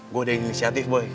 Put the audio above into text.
gue ada inisiatif boy